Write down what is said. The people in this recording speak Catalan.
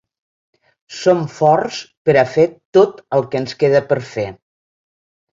Som forts per a fer tot el que ens queda per fer.